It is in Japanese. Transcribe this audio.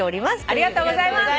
ありがとうございます。